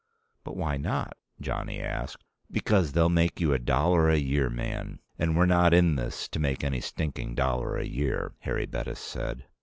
"But why not?" Johnny asked. "Because they'll make you a dollar a year man and we're not in this to make any stinking dollar a year," Harry Bettis said.